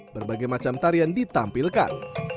berbagai macam tarian ditampilkan